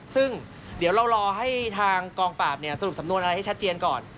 ซึ่งเดี๋ยวเรารอให้ทางกองปราบสรุปสำนวนอะไรให้ชัดเจนก่อน